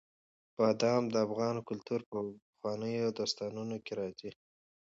بادام د افغان کلتور په پخوانیو داستانونو کې راځي.